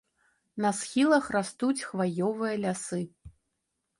На схілах растуць хваёвыя лясы.